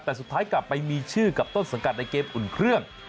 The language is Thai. แต่สุดท้ายกลับไปมีชื่อกับต้นสังกัดในเกมอุ่นเครื่อง